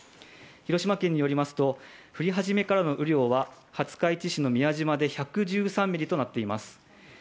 広島県によりますと、降り始めからの雨量は廿日市市の宮島で１１３ミリとなっています。